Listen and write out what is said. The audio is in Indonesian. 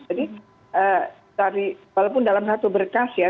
jadi walaupun dalam satu berkas ya